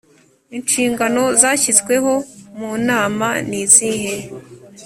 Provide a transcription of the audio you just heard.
inshingano zashyizweho mu Nama nizihe